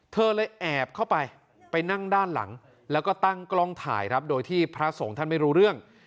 เธอเลยแอบเข้าไปไปนั่งด้านหลังแล้วก็ตั้งกล้องถ่ายครับโดยที่พระสงฆ์ท่านไม่รู้เรื่อง